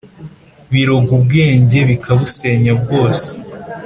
Biroga ubwenge bikabusenya bwose